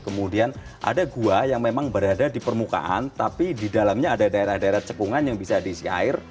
kemudian ada gua yang memang berada di permukaan tapi di dalamnya ada daerah daerah cekungan yang bisa diisi air